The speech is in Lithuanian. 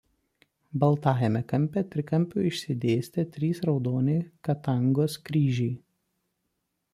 Baltajame kampe trikampiu išsidėstę trys raudoni Katangos kryžiai.